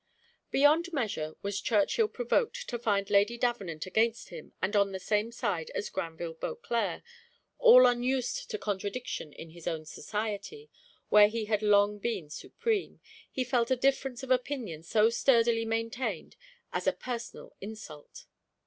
Beyond measure was Churchill provoked to find Lady Davenant against him and on the same side as Granville Beauclerc all unused to contradiction in his own society, where he had long been supreme, he felt a difference of opinion so sturdily maintained as a personal insult.